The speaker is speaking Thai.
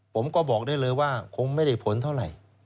ผมก็บอกได้เลยว่าคงไม่ได้ผลเท่าไหร่